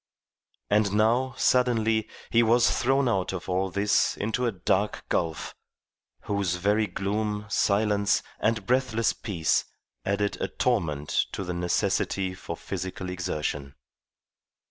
And now, suddenly, he was thrown out of all this into a dark gulf, whose very gloom, silence, and breathless peace added a torment to the necessity for physical exertion.